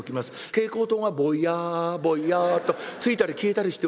蛍光灯がぼやぼやっとついたり消えたりしております。